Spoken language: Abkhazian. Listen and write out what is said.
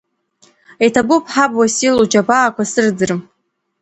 Иҭабуп, ҳаб Уасил, уџьабаақәа сырӡрым.